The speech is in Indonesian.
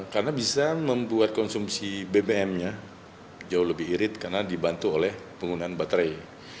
karena bisa membuat konsumsi bbm nya jauh lebih irit karena dibantu oleh penggunaan baterai